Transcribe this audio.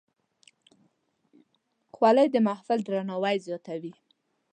خولۍ د محفل درناوی زیاتوي.